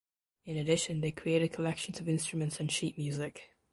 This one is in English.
In addition they created collections of instruments and sheet music.